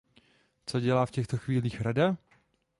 Co dělá v těchto chvílích Rada?